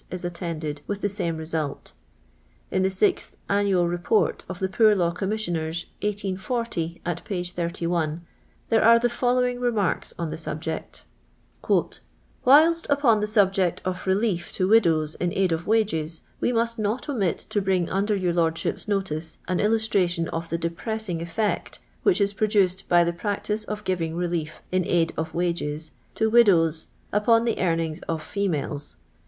is attended with the same result. In the Sixth Annual Report of the Poor Law Commissioners, 18 iO, at p. 31, there are the following remarks on the subject :—" Whilst upon the subject of relief to widows in aid of wages, we must not omit to bring under your Lordship's notice an illustration of the depresxing aject which is produced by the prac tice of giving relief in aid of wages to widows upon the earnings of females.